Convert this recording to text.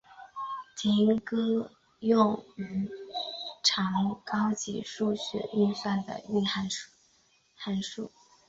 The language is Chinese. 提供用于常用高级数学运算的运算函数。